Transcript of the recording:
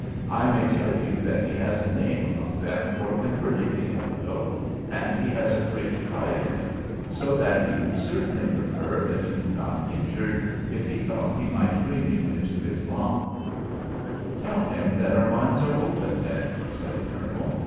I may tell you that he has a name among them for converting the infidel, and he has a great pride in it, so that he would certainly prefer that you were not injured if he thought that he might bring you into Islam." "Tell him that our minds are open then," said the Colonel.